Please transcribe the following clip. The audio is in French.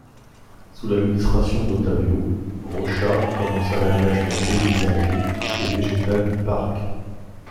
Sous l'administration d'Otávio Rocha commença l'aménagement paysager et végétal du parc.